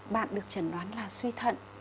bạn được chẩn đoán là suy thận